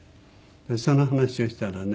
でその話をしたらね